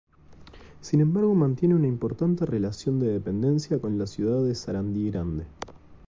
Sin embargo mantiene una importante relación de dependencia con la ciudad de Sarandí Grande.